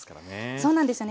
そうなんですよね。